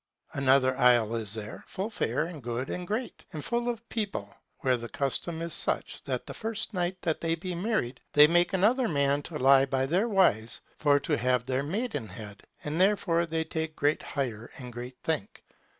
Another isle is there, full fair and good and great, and full of people, where the custom is such, that the first night that they be married, they make another man to lie by their wives for to have their maidenhead: and therefore they take great hire and great thank.